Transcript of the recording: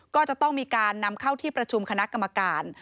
ก็จะต้องมีการนำเข้าที่ประชุมคณะกรรมการ